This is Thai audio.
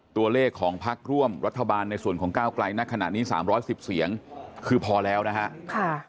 ตัวเลขของพักร่วมรัฐบาลในส่วนของก้าวไกลในขณะนี้๓๑๐เสียงคือพอแล้วนะฮะ